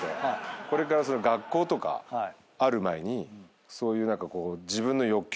これから学校とかある前にそういう何かこう。